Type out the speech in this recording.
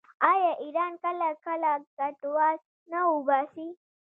آیا ایران کله کله کډوال نه وباسي؟